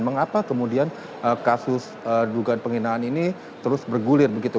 mengapa kemudian kasus dugaan penghinaan ini terus bergulir begitu